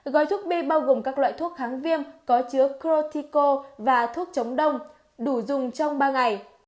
gói thuốc bi bao gồm các loại thuốc kháng viêm có chứa crotico và thuốc chống đông đủ dùng trong ba ngày